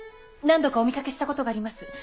何度かお見かけしたことがあります。